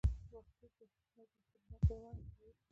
په پښتو کښي نظم تر نثر وړاندي تاریخ لري.